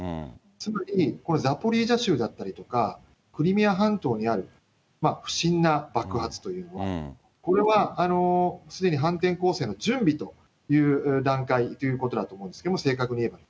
つまり、これ、ザポリージャ州だったりとか、クリミア半島にある不審な爆発というもの、これはすでに反転攻勢の準備という段階ということだと思うんです、正確に言えば。